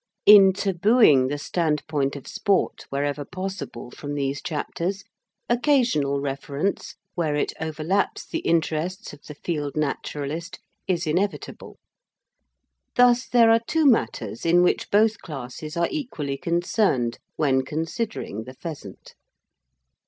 In tabooing the standpoint of sport, wherever possible, from these chapters, occasional reference, where it overlaps the interests of the field naturalist, is inevitable. Thus there are two matters in which both classes are equally concerned when considering the pheasant.